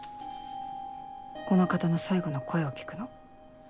この方の最後の声を聞くの。